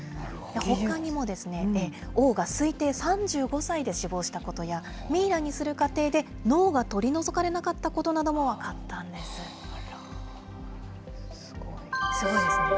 ほかにも王が推定３５歳で死亡したことや、ミイラにする過程で脳が取り除かれなかったことなども分かったんです。